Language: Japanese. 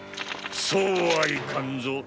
そうはいかんぞ。